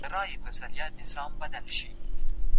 یوه قلا ده ورته یادي افسانې دي ډیري